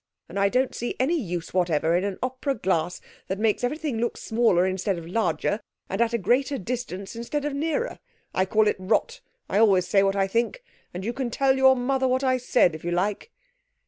And I don't see any use whatever in an opera glass that makes everything look smaller instead of larger, and at a greater distance instead of nearer. I call it rot. I always say what I think. And you can tell your mother what I said if you like.'